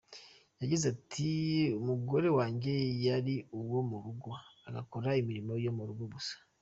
Yagize ati “Umugore wanjye yari uwo mu rugo agakora imirimo yo mu rugo gusa.